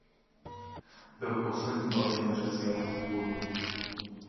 Byl posledním papežem řeckého původu.